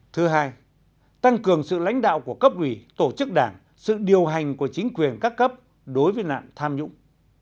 thứ hai tăng cường sự lãnh đạo của cấp ủy tổ chức đảng sự điều hành của chính quyền các cấp đối với nạn tham nhũng